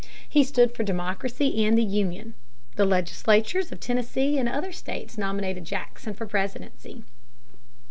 He stood for democracy and the Union. The legislatures of Tennessee and other states nominated Jackson for the presidency.